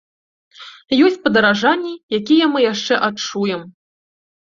Ёсць падаражанні, якія мы яшчэ адчуем.